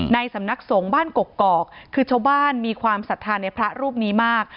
สำนักสงฆ์บ้านกกอกคือชาวบ้านมีความศรัทธาในพระรูปนี้มาก